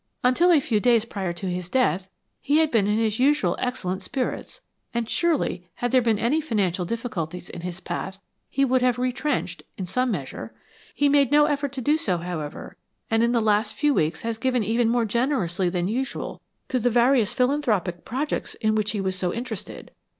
Until a few days prior to his death, he had been in his usual excellent spirits, and surely had there been any financial difficulties in his path he would have retrenched, in some measure. He made no effort to do so, however, and in the last few weeks has given even more generously than usual to the various philanthropic projects in which he was so interested.